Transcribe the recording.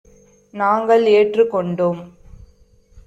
நாங்கள் ஏற்றுக் கொண்டோம்.